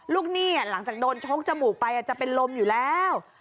หนี้หลังจากโดนชกจมูกไปอาจจะเป็นลมอยู่แล้ว